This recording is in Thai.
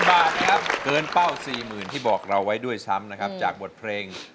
บาทครับเกินเป้า๔๐๐๐ที่บอกเราไว้ด้วยซ้ำนะครับจากบทเพลง